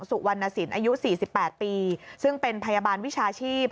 สุวรรณสินอายุ๔๘ปีซึ่งเป็นพยาบาลวิชาชีพ